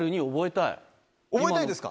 覚えたいですか？